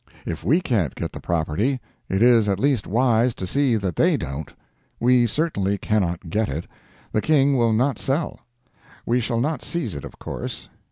If we can't get the property, it is at least wise to see that they don't. We certainly cannot get it. The King will not sell; we shall not seize it of course.